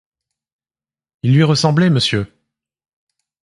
Il lui ressemblait, monsieur !